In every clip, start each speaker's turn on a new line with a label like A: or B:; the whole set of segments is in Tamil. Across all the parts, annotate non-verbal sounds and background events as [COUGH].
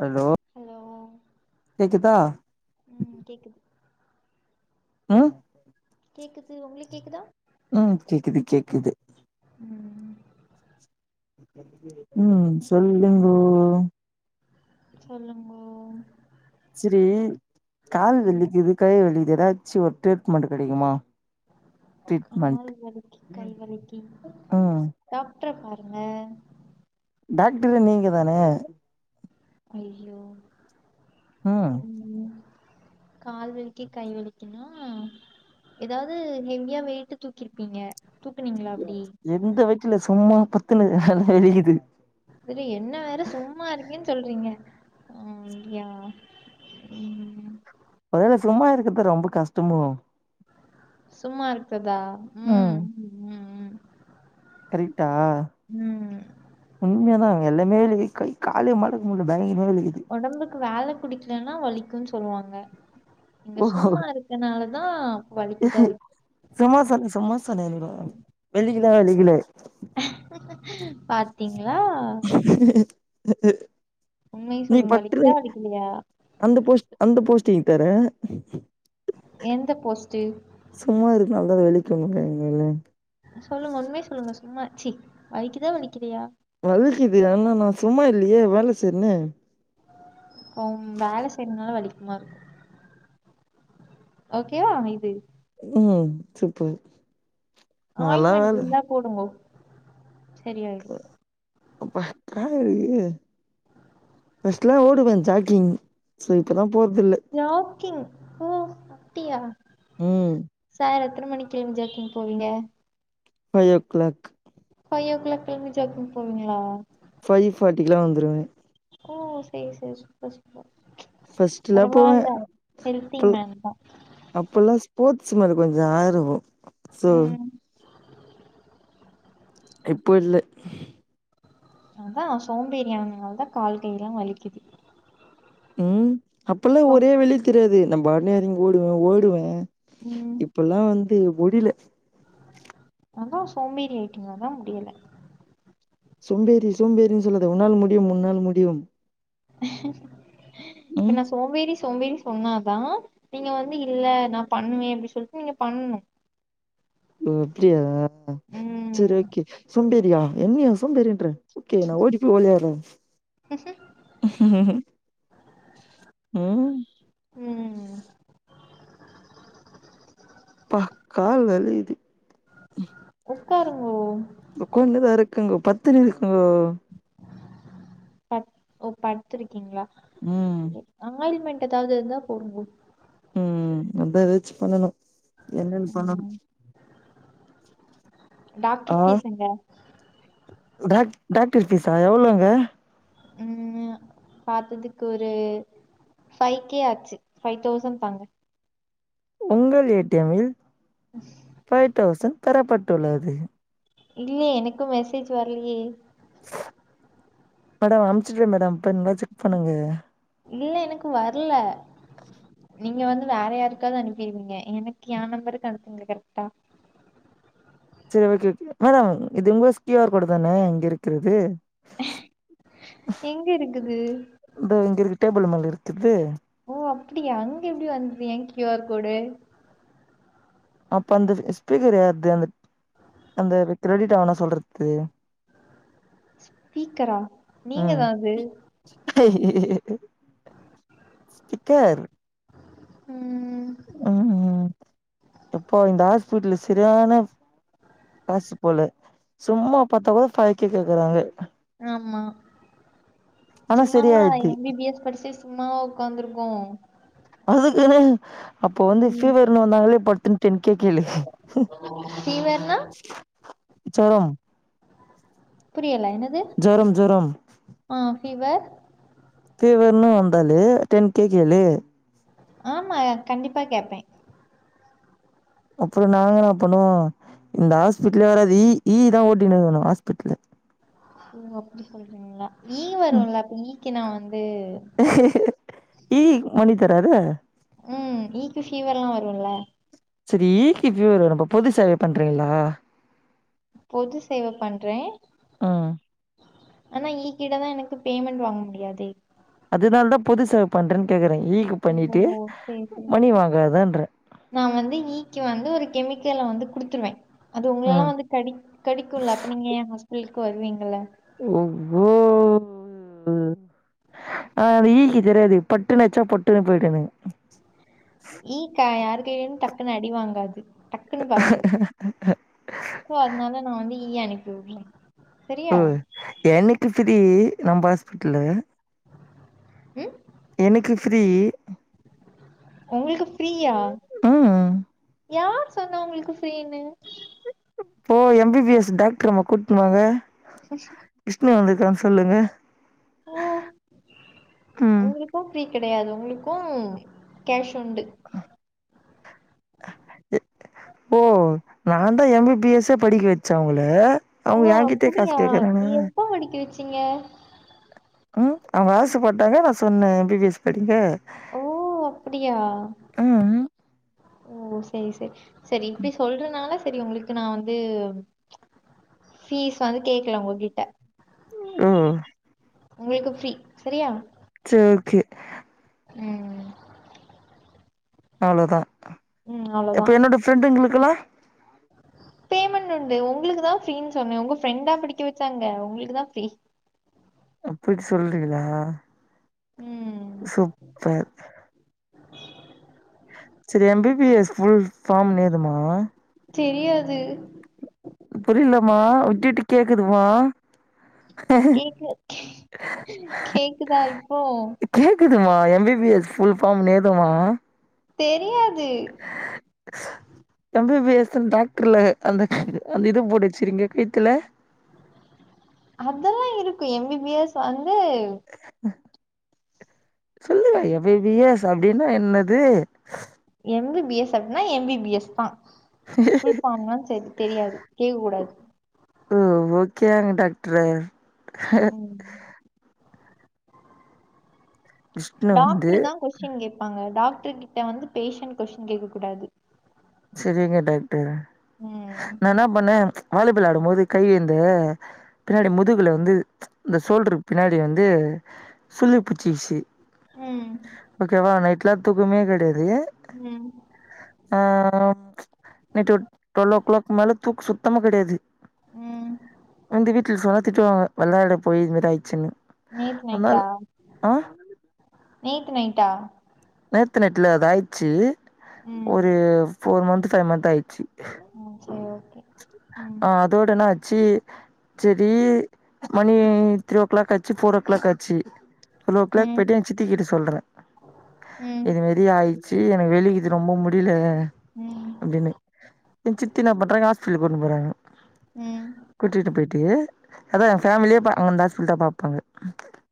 A: ஹலோ
B: ஹலோ
A: கேக்குதா
B: ம் கேக்குது
A: ம்
B: கேக்குது உங்களுக் கேக்குதா
A: ம் கேக்குது கேக்குது
B: ம்
A: ம் சொல்லுங்கோ
B: சொல்லுங்கோ
A: சிரி கால்
B: ம்
A: வலிக்குது கை வலிக்குது ஏதாச்சு ஒரு ட்ரீட்மெண்ட் கெடைக்குமா ட்ரீட்மெண்ட்
B: கால் வலிக்கு
A: ம்
B: டாக்ட்ர பாருங்க
A: டாக்டரு நீங்க தான
B: ஐய்யோ
A: ம்
B: ம் கால் வலிக்கி கை வலிக்கினா ஏதாவ்து ஹெவியா வெயிட்டு தூக்கிருப்பீங்க தூக்குனீங்ளா அப்டி
A: எந்த வெயிட்டுல சும்மா பத்துன்னு இருக்றே [UNINTELLIGIBLE] வலிக்குது
B: இதுல என்ன வேற சும்மா இருக்கேன் சொல்றீங்க ம் யா ம்
A: மொதல்ல சும்மா இருக்குறது ரொம்ப கஷ்டமோ
B: சும்மா இருக்குறதா ம் ம் ம்
A: கரிட்டா
B: ம்
A: உண்மயாதா எல்லாமேலே கை காலே மடக்க முட்ல்ல பயங்கிறமா வலிக்குது
B: ஒடம்புக்கு வேல புடிக்கலன்னா வலிக்குன் சொல்லுவாங்க நீங்க
A: ஓ
B: சும்மா இருக் கனாலதா
A: சும்மா சொன்னே சும்மா சொன்னே எனக்கு வலிக்கல வலிக்கல
B: பாத்தீங்ளா உண்மைய
A: நீங்
B: சொல்லுங்க
A: பட்டுனு
B: வலிக்குதா வலிக்கலையா
A: அந்த போஸ்ட் அந்த போஸ்டிங் தர
B: எந்த போஸ்ட்டு
A: சும்மா இருக்னால்தா வெலிக்குன்றீங்கள்ள
B: சொல்லுங்க உண்மைய சொல்லுங்க சும்மா சி வலிக்குதா வலிக்கலையா
A: வலிக்குது ஆனா நா சும்மா இல்லையே வேல செய்றேனே
B: ம் வேல செய்யறனால வலிக்குமா இருக்கு ஓகேயா இது
A: ம் சூப்பர் நாலா
B: ஆயின்மென்ட்
A: வேல
B: இருந்தா போடுங்கோ சரியாயிடு
A: அப்ப‌ ஆ இ ஃபர்ஸ்ட்லா ஓடுவே ஜாக்கிங் சோ இப்போதா போறது இல்ல
B: ஜாக்கிங் ஓ அப்டியா
A: ம்
B: சார் எத்தன மணிக் கிங் ஜாக்கிங் போவீங்க
A: five o'clock
B: five o'clock எழுந்து ஜாக்கிங் போவீங்களா
A: ஃபை ஃபாட்டிக்குலா வந்துருவே
B: ஓ செரி செரி சூப்பர் சூப் பர்
A: ஃபர்ஸ்ட்லா போவே
B: பரவால்ல ஹெல்தி
A: அப்ப
B: மேன்‌‌ தா
A: அப்பல்லா ஸ்போர்ட்ஸ் மேல கொஞ்சோ ஆர்வோ சோ
B: ம்
A: இப்போ இல்ல
B: அதா சோம்பேரியானதுனாலதா கால் கை எல்லா வலிக்குது
A: ம் அப்பெல்லா
B: சோ
A: ஒரே வலி தெரியாது நா பாட்னு எறங்கி ஓடுவோ ஓடுவே
B: ம்
A: இப்பல்லா வந்து முடில
B: அதா சோம்பேரி ஆயிட்டிங்க அதா முடியல
A: சோம்பேறி சோம்பேறின் சொல்லாத உன்னால் முடியும் உன்னால் முடியும்
B: இப்ப
A: ம்
B: நா சோம்பேரி சோம்பேறி சொன்னாதா நீங்க வந்து இல்ல நா பண்ணுவே அப்டி சொல்ட்டு நீங்க பண்ணனு
A: ஒ அப்டியா
B: ம்
A: செரி ஓகே சோம்பேரியா என்னயா சோம்பேரின்ற ஓகே நா ஓடி போய் வளியாறே ம்
B: ம்
A: பாஹ் கால் வலிக்குது
B: உக்காருங்கோ
A: உக்காந்துதா இருக்குங்க படுத்துன்னு இருக்கங்கோ
B: பத் ஓ படுத்திருக்கீங்களா
A: ம்
B: ஆறு மண் எதாவது இருந்தா போடுங்கோ
A: ம் அதா ஏதாச்சு பண்ணனு என்னென்னு சொல்லணு
B: ம்
A: ஆ
B: டாக்டர் ஃபீஸ் எங்க
A: டாக் டாக்டர் ஃபீஸா எவ்வளோங்க
B: ம் பாத்ததுக்கு ஒரு ஃபைவ்கே ஆச்சு ஃபைவ் தௌசண்ட் தாங்க
A: உங்கள் ஏ டி எம் இல் ஃபைவ் தௌசண்ட் பெறப்பட்டுள்ளது
B: இல்ல எனக்கு மெசேஜ் வர்லேயே
A: மேடம் அமுச்சிடே மேடம் போய் நல்லா செக் பண்ணுங்க
B: இல்ல எனக்கு வர்ல
A: [UNINTELLIGIBLE]
B: நீங்க வந்து வேற யாருக்காவது அனுப்பிருவிங்க எனக்கு எ நம்பருக்கு அனுப்புங்க கரெக்டா
A: சேரி சே மேடம் இது உங்க கியூ ஆர் கோடு தான இங்க இருக்கிறது
B: எங்க இருக்குது
A: இத இங்க இருக்கு டேபிள் மேல இருக்குது
B: ஓ அப்டியா அங்க எப்டி வந்துது எ கியூ ஆர் கோடு
A: அப்ப அந்த ஸ்பீக்கர் யாருது அந்த அந்த கிரெடிட் ஆனா சொல்றது
B: ஸ்பீக்கரா நீங்கதா அது
A: ஸ்பிக்கர்
B: ம்
A: ம் எப்பா இந்த ஹாஸ்பிட்டல்ல சரியான காசு போல சும்மா பாத்தா கூட ஃபைவ் கே கேக்குறாங்க
B: ஆமா
A: ஆனா
B: சும்மாவா
A: சரியாயிடுது
B: எம் பி பி எஸ் படிச்சு சும்மாவா உக்காந்துருக்கோ
A: அதுக்குனு அப்ப வந்து
B: ம்
A: ஃபீவர்ன்னு வந்தாங்ளே படுத்துன்னு டென் கே கேளுங்க
B: ஃபீவர்னா
A: ஜொரம்
B: புரியல என்னது
A: ஜொரம் ஜொரம்
B: ஆ ஃபீவர்
A: ஃபீவர்னு வந்தாலே டென் கே கேளு
B: ஆமா கண்டிப்பா கேப்பே
A: அப்புற நாங்க என்ன பண்ணுவோ இந்த ஹாஸ்பிடலயே வராது ஈ ஈ தா ஓட்டிணு இருக்கணு ஹாஸ்பிடலு
B: ஓ அப்டி சொல்றிங்ளா ஈ வருல்ல அப்ப ஈக்கு நா வந்து
A: ஈ மனிதரா அது
B: ம் ஈக்கு ஃபீவர்லா வருல்ல
A: சரி ஈக்கு ஃபீவர் வரு அப்ப பொது சேவை பண்றிங்ளா
B: பொது சேவ பண்றே
A: ம்
B: ஆனா ஈ கிட்டதா எனக்கு பேமெண்ட் வாங்க முடியாதே
A: அதனாலதா பொது சேவ பண்றேன் கேக்கற ஈக்கு
B: ஓ
A: பண்ணிட்டு
B: சேரி சேரி
A: மணி
B: சேரி
A: வாங்காதன்ற
B: நா வந்து ஈ க்கு வந்து ஒரு கெமிக்கல வந்து குடுத்துருவே அது உங்களலா
A: ம்
B: வந்து கடிக் கடிக்குல அப்ப நீங்க எ ஹாஸ்பிட்டலுக்கு வருவிங்கல்ல
A: ஒ ஓ ஆனா அது ஈக்கி தெரியாதே பட்டுன்னு அச்சா பொட்டுன்னு போயிடுமே
B: ஈ க யார் கைலயு டக்குன்னு அடி வாங்காது டக்குனு பறந்துரு சோ அதனால நா வந்து ஈய அனுப்பி உடறே
A: ம் எனக்கு ஃப்ரீ நம்ம ஹாஸ்பிட்டலு
B: ம்
A: எனக்கு ஃப்ரீ
B: உங்களுக்கு ஃபிரியா
A: ம்
B: யார் சொன்னா உங்களுக்கு ஃப்ரீனு
A: போ எம் பி பி எஸ் டாக்டரம்மா கூட்னு வாங்க
B: [INAUDIBLE]
A: கிருஷ்ண வந்திருக்கான் சொல்லுங்க
B: ஓ
A: ம்
B: உங்ளுக் கு ஃப்ரீ கெடையாது உங்களுக்கும் கேஷ் உண்டு
A: ஓ நாந்தா எம் பி பி எஸ் எ படிக்க வச்சே அவங்கள
B: ஓ
A: அவங்க என்கிட்டயே காசு
B: அப்படியா
A: கேக்குறாங்க
B: எப்ப படிக்க வச்சீங்க
A: ம் அவங்க ஆசை பட்டாங்க நான் சொன்னேன் எம் பி பி எஸ் படிங்க
B: ஓ அப்படியா
A: ம்
B: ஓ சரி சரி சரி இப்படி சொல்றதுனால சரி உங்களுக்கு நான் வந்து ஃபீஸ் வந்து கேக்கல உங்க கிட்ட
A: ம்
B: உங்களுக்கு ஃப்ரீ சரியா
A: சரி ஓகே
B: ம்
A: அவ்ளோதா
B: ம்
A: இப்ப
B: அவ்வளோதான்.
A: என்னோட ஃப்ரெண்டுங்களுக்குல்லா
B: பேமெண்ட் உண்டு உங்களுக்கு தா ஃப்ரீனு சொன்னேன் உங்க ஃப்ரெண்டா பிடிக்க வச்சாங்க உங்களுக்கு தான் ஃப்ரீ
A: அப்டிடசொல்றீகளா
B: ம்
A: சூப்பர்
B: [INAUDIBLE]
A: சரி M B B S full form நேதுமா
B: தெரியாது
A: புரியலமா விட்டுட்டு கேக்குதுமா
B: கேக்குதா இப்போ
A: கேட்குதுமா M B BA S full form நேதுமா
B: தெரியாது
A: [INAUDIBLE] எம் பி பி எஸ்ன்னு டாக்டர்ல அந்த அந்த இது போட்டு வச்சுருக்கிங்க கயத்துல
B: அதெல்லாம் இருக்கும் எம் பி பி எஸ் வந்து
A: சொல்லுங்க எம் பி பி எஸ் அப்படின்னா என்னது
B: எம் பி பி எஸ் அப்படின்னா எம் பி பி எஸ் தான் ல்பார்ம் சரி தெரியாது கேக்கூடாது
A: ஓ ஓகேங்க டாக்டர்
B: ம்
A: விஷ்ணு வந்து
B: டாக்டர் தா கொஸ்டின் கேட்பாங்க டாக்டர் கிட்ட வந்து பேஷன்ட் கொஸின் கேட்க கூடாது
A: சரிங்க டாக்டர்
B: ம்
A: நான் என்ன பண்ணேன் வாலிபால் ஆடும்போது கை எந்த பின்னாடி முதுகுல வந்து இந்த சோல்டர்க்கு பின்னாடி வந்து சுலுக்கு புடிச்சுச்சு
B: ம்
A: ஓகேவா நைட்லாம் தூக்கமே கெடயது
B: ம்
A: ஆ நைட் ட்வெல்வ ஓ கிளாக் மேல தூக்கம சுத்தமா கிடையாது
B: ம்
A: வந்து வீட்டுல சொன்னா திட்டுவாங்க வெள்ளாட போய் இந்த மாறி ஆயிடுச்சுன்னு
B: நேத்து
A: அதனால
B: நைட்டா
A: ஆ
B: நேத்து நைட்டா
A: நேத்து நெட்டில்ல அத ஆயிடுச்சு
B: ம்
A: ஒரு ஃபோர் மந்த்த் ஃபைவ் மந்த்த் ஆயிச்சு
B: ம் சரி ஓகே ம்
A: ஆ அதோடனா ஆச்சு சரி மணி த்ரீ ஓ கிளாக் ஆச்சு ஃபோர் ஓ கிளாக்ச்சு ஒரு ஓ கிளாக்
B: ம்
A: போயிட்டு என் சித்தக்கிட்டு சொல்றேன்
B: ம்
A: இதுமாறி ஆயிச்சு எனக்கு வெளிக்குது ரொம்ப முடியல
B: ம்
A: அப்டின்னு என் சித்தி ன்னா பண்றாங்க ஹாஸ்பிடலுக்கு கூட்னு போறாங்க
B: ம்
A: கூட்டிட்டு போயிட்டு அதா என் ஃபேமிலியே அங்கந்த ஹாஸ்பிட்டல்லதா பாப்பாங்க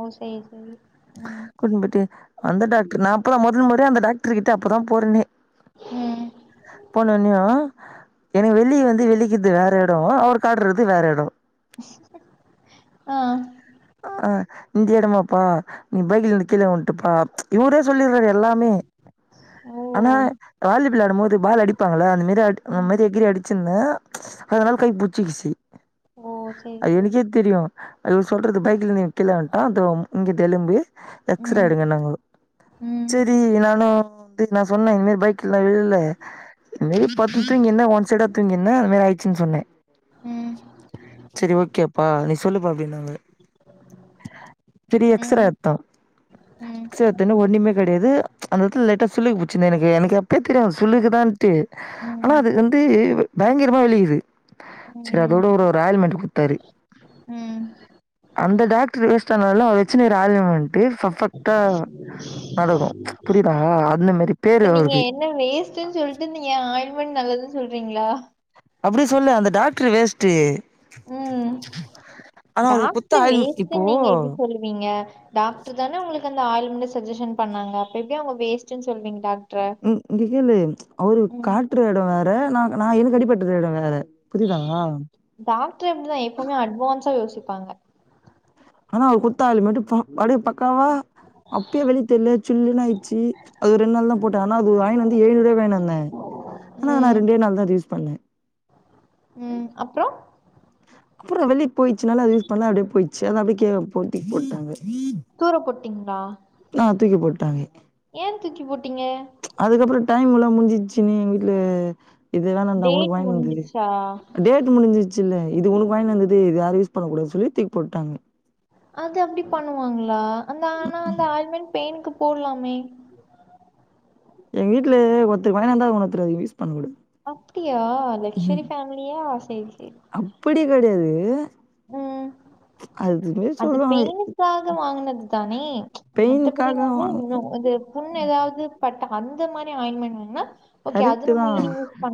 B: ஓ சேரி சேரி ம்
A: கூட்னு போயிட்டு அந்த டாக்டர்னா இப்பதா மொதல் முறையா அந்த டாக்டர் கிட்ட அப்பதா போறனே
B: ம்
A: போனவொன்னியு எனுக்கு வெலி வந் து வெலிக்கிற்து வேற எடோ அவுர் காட்றது வேற எடோ
B: ஆ
A: ஆ இந்த எடமாப்பா நீ பைக்கலந்து கீழ உண்ட் டப்பா இவரே சொல்லிற்றாரு எல்லாமே
B: ஓ
A: ஆனா வாலிபால் விளாடும் போது பால் அடிப்பாங்கள அந்த மேரி அந்த மேரி
B: ம்
A: எகிரி அடிச்சிருந்த அதனால கை புச்சிக்கிசி
B: ஓ சேரி
A: அது
B: சேரி
A: எனுக்கே தெரியு இவுரு சொல்றது பைக்ல நீ கீழே வுன்ட தோ இங்கித்து எலும்பு எக்ஸஸ்ரே
B: ம்
A: எடுங்கன்னாங்கோ
B: ம்
A: செரி நானு நா சொன்னே இன்மேரி பைக்லல்லா விழுள இன்மேரி பத்துதூங்கிந் ஒன் சைடா தூங்கிந் கிந்த அன் மாரி ஆயிச்சுன்னு சொன்னே
B: ம்
A: ஓகேப்பா நீ சொல்லுப்பா அப்டின்னாங்க செரி எக்ஸரே
B: ம்
A: எத்தோ
B: ம்
A: ஒன்னுமே கெடையது அந்தெத்துல லைட்டா சுளுக்கு புச்சினு எனுக்கு எனுக்கு அப்பே தெரியு சுளுக்குதான் ட்டு
B: ம்
A: ஆனா அது வந்து பயங்கரமா வெலிக்குது செரி
B: ம்
A: அதோட ஒரு ஆயல்மென்ட்டு குட்த்தாரு
B: ம்
A: அந்த டாக்டரு வேஸ்ட் ஆனாலு அவரு வெச்சுகிற ஆயில்மென்ட்டு ஃபர்பெக் ட்டா நடக்கு புரியுதா அந்த மேரி பேரு
B: இப்ப நீங்க
A: அவுருக்கு
B: என்ன வேஸ்ட்ன்னு சொல்ட்டு நீங்க ஆயில்மென்ட் நல்லதுன்னு சொல்றீங்ளா
A: அப்றி சொல்ல அந்த டாக்ட்ரு வேஸ்ட்டு
B: ம்
A: ஆனா அது குத்த
B: டாக்ட்ரு
A: ஆயில்மெ இப்போ
B: வேஸ்டுன்னீங்க இப்டி சொல்லு டாக்டர் தானே உங்களுக்கு அந்த ஆயில்மன்ட்டே ஜஷன் பண்ணாங்க அப்ப எப்டி அவங்க வேஸ்ட்டுன்னு சொல்வீங்க டாக்ட
A: ம் இங்க கேளு அவரு
B: ம்
A: காட்டுற எடோ வேற நா நா எனுக்கு அடிப்பட்ருக்க எடம் வேற புரிதா
B: டாக்டர் அப்டிதா எப்பவுமே அட்வான்ஸா யோசிப்பாங்க
A: ஆனா அவுரு குத்த ஆயில்மென்ட்டு படு பக்காவா அப்பயே வலி தெர்ல சில்லுன்னு ஆயிடுச்சி அது ரெண்டு நாள் தா போட்டே ஆனா அது வியின் வந்து [UNINTELLIGIBLE] ருபாய்க்கு வாய்னுவந்தே ஆனா நா
B: ம்
A: ரெண்டே நாள் தா அத யூஸ் பண்ணே
B: ம் அப்றோ
A: அப்புறோ வெலி போயிச்சுனால அது யூஸ் பண்ல அப்டியே போயிச்சு அத அப்பே போட்டு தூக்போட்டாங்க
B: துர போட்டிங்லா
A: ஆ தூக்கி போட்டாங்கே
B: ஏன் தூக்கி போட்டீங்க
A: அதுக்கப்புற டைம் எல்லா முடிஞ்சிச்சுன்னு எங் வீட்ல இது வேணாண்டா
B: டேட்
A: உனுக்கு வாங்கி வந்தது
B: முடிஞ்சிருச்சா
A: டேட்டு முடிஞ்சிச்சில்ல இது உனுக்கு வாய்னுவந்தது இது யாரு யூஸ் பண்ணக் கூடாது சொல்லி தூக்கி போட்டாங்க
B: அது அப்டி பண்ணுவாங்ளா அந்த ஆனா அந்த ஆயில்மெண்ட் பெயினுக்கு போட்லாமே
A: எங் வீட்டுல ஒருத்தருக்கு வாய்னு வந்தா உன்னொருத்தருக்கு அத யூஸ் பண்ணக்கூடாது
B: அப்டியா லக்சரி ஃபேமிலியா செரி செரி
A: அப்புடி கெடையாது
B: ம்
A: அதுவே
B: அது
A: சொல்லுவாங்க
B: பெயனுக்காக வாங்குனது தானே
A: பெயினுக்காக
B: மத்தபடிாயாது
A: வாங்
B: ன்னோ இது புண் எதாவ்து பட்டா அந்த மாரி ஆயில் [UNINTELLIGIBLE]
A: கரெட்டு தா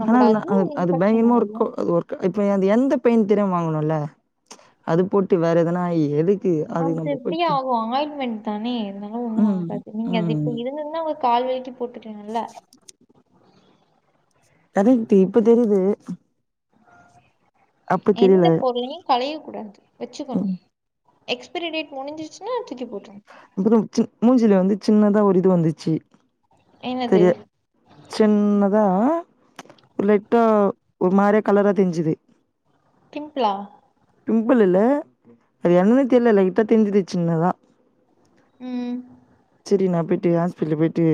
A: ஆனா அதுல அது அது
B: இன்ஃபெக்ஷன்
A: பயங்கரமா இருக்கொ
B: ஆயிடும்
A: அது ஒர்க் இப்ப அது எந்த பெய்ன் தெரியாம வாங்குனோல அது போட்டு வேற எதனா ஆயி எதுக்
B: அது எப்டி ஆகு ஆயின்மெண்ட் தானே இருந்தாலு ஒன்னு
A: ம்
B: ஆகாது நீங்க அது
A: ம்
B: இப்ப இருந்துருந்தா கால்வலிக்கி போட்டுக்கலால்ல
A: கரெக்டு இப்ப தெரியுது அப்ப தெரியல
B: எந்த பொருளையு களைய கூடாது வெச்சுக்கணு
A: ம்
B: எக்ஸ்பெரி டேட் முடுஞ்சுச்சுனா தூக்கி போட்றனு
A: அப்புறொ சி மூஞ்சில வந்து சின்னதா ஒரு இது வந்துச்சு
B: என்னது
A: தெரிய சின்னதா ஒரு லைட்டா ஒரு மாரிய கலரா தெரிஞ்சுது
B: பிம்ப்ளா
A: பிம்பிள் இல்ல அது என்னன்னே தெரில லைட்டா தெரிஞ்சுது சின்னதா
B: ம்
A: செரி நா பொய்ட்டு ஹாஸ்பிட்டலுக் போயிட்டு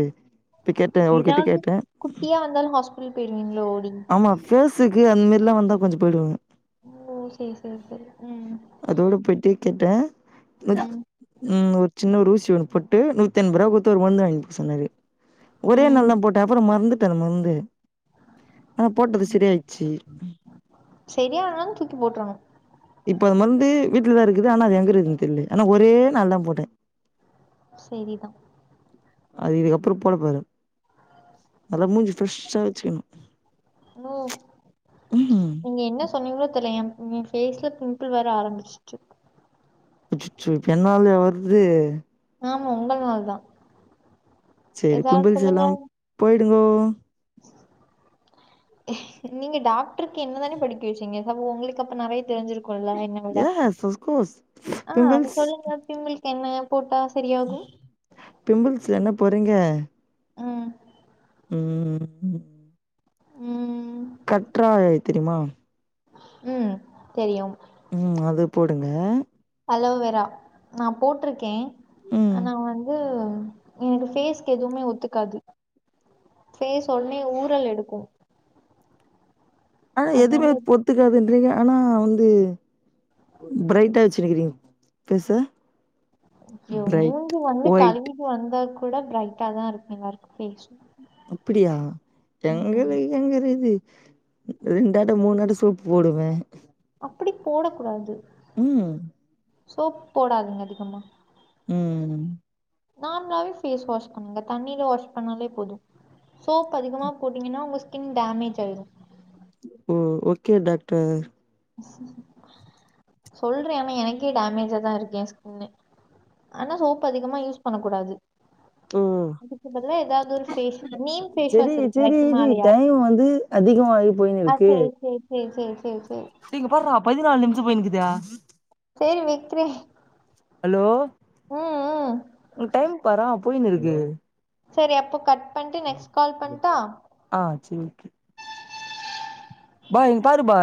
A: போய் கேட்டே அவர்கிட்ட
B: எதாவ்து
A: கேட்டே
B: குட்டியா வந்தாலு ஹாஸ்பிட்டல் போயிருவீங்ளோ நீங்
A: ஆமா ஃபேஸுக்கு அந்த மாரிலா வந்தா கொஞ்சொ போயிடுவங்க
B: ஓ சேரி சேரி சேரி ம்
A: அதோட போயிட்டு கேட்டே
B: ம்
A: ம் ஒரு சின்ன ஒரு ஊசி ஒன்னு போட்டு நூற் த்தெண்பர்வா குட்த்து ஒரு மருந்து வாங்கிக் சொன்னாரு ஒரே
B: ம்
A: நாள் தா போட்டே அப்பறொ மற்ந்துட்டே அந்த மருந்து ஆனா போட்டது சரி ஆயிட்ச்சு
B: சரியானாலு தூக்கி போட்றணு
A: இப்ப அது மருந்து வீட்லதா இருக்குது ஆனா அது எங்கறகுது தெர்ல ஆனா ஒரே நாள் தா போட்டே
B: செரிதா
A: அது இதுக்கப்பறொ போடே பாரு நல்லா மூஞ்சி ஃபிரெஷா வச்சுக்கணு
B: நோ
A: ம்
B: நீங்க என்ன சொன்னீங்களோ தெர்ல எம் ஃபேஸ்ல பிம்பிள் வர ஆரம்பிச்சுர்ச்சு
A: அச்சச்சோ இப்ப என்னாலய வருது
B: ஆமா உங்கள் நாள் தா
A: சேரி பிம்பிள்ஸ் எல்லாம் போயிடுங்கோ
B: நீங்க டாக்ட்ருக்கு என்ன தானே படிக்க வச்சீங்க ஒங்களுக்கு அப்ப நெறைய தெரிஞ்சிரு குல்ல என்ன விட
A: எஸ் அஃப்கோர்ஸ்
B: ஆ
A: பிம்பிள்ஸ்
B: அத
A: பிம்பிள்ஸ்
B: சொல்லுங்க இவுங்களுக்கு என்ன போட்டா சரியாகு
A: பிம்பிள்ஸ்கு என்ன போட்றீங்க
B: ம்
A: ம் ம்
B: ம்
A: கற்றாழை தெரியுமா
B: ம் தெரியும்
A: ம் அது போடுங்க
B: ஹலோவேரா நா போட்ருக்கே
A: ம்
B: ஆனா வந்து என்னோட ஃபேஸ்க்கு எதுவுமே ஒத்துக்காது ஃபேஸ் ஒட்னே ஊறல் எடுக்கு
A: ஆனா
B: அதனால
A: எதுமே
B: எதுவும்
A: ஒத்துக்காதுன்றீங்க ஆனா வந்து ம பிரைட்டா வச்சுருக்கிறீங்க ‌எஸ் ஸார்
B: ஏ மூஞ்சு வந்து
A: ஒயிட்
B: கழுவிட்டு வந்தா கூட பிரைட்டா தா இருக்கூ எல்லாருக்கூ ஃபேஸ்
A: அப்டியா
B: ம்
A: [UNINTELLIGIBLE] எங்க ‌இது ரெண்டாட்ட மூணாட்ட சோப்பு போடுவே
B: அப்புடி போடக் கூடாது
A: ம்
B: சோப் போடாதிங்க அதிகமா
A: ம்
B: நார்மலாவே ஃபேஸ் வாஷ் பண்ணாலே தண்ணியில வாஷ் பண்ணாலே போதூ சோப் அதிகமாக போட்டிங்கன்னா உங்களுக் ஸ்கின் டேமேஜ் ஆயிடூ
A: ஓ ஓகே டாக்டர்
B: சொல்றே ஏமே எனக்கே டேமேஜா தா இருக்கே ஏ ஸ்கின்னு ஆனா சோப்பு அதிகமா யூஸ் பண்ணக் கூடாது
A: ஓ
B: அதுக்கு பதிலா ஏதாவது ஒரு ஃபேஸ் நீம் ஃபேஸ்
A: செரி
B: வாஷ் இருக்குல்ல
A: செரி இது
B: ஹிமாலயா
A: டைம் வந்து அதிகமாகி போயின்னு இருக்கு
B: சேர் சேர் சேரி சேரி
A: ஏ இங்க பார்ரா பதினாலு நிமிஷோ போயிக்குது
B: சேரி வெக்கிறே
A: ஹலோ
B: ம்
A: உன் டைம் பாரொ போயின்னு இருக்கு
B: சேரி அப்போ கட் பண்ணிட்டு நெக்ஸ்ட் கால் பண்ணட்டா
A: ஆ சேரிங்க பா இங் பாருபா